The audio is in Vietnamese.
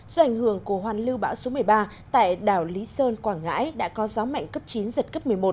do ảnh hưởng của hoàn lưu bão số một mươi ba tại đảo lý sơn quảng ngãi đã có gió mạnh cấp chín giật cấp một mươi một